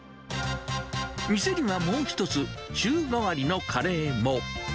店にはもう一つ、週替わりのカレーも。